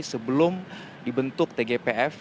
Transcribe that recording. sebelum dibentuk tgpf